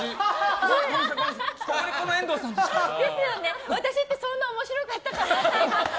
ですよね、私ってそんなに面白かったかなって。